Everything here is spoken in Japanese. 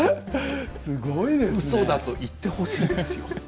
うそだと言ってほしいですよ。